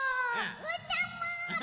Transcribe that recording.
うーたんも！